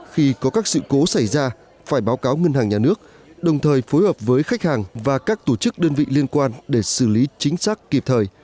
khi có các sự cố xảy ra phải báo cáo ngân hàng nhà nước đồng thời phối hợp với khách hàng và các tổ chức đơn vị liên quan để xử lý chính xác kịp thời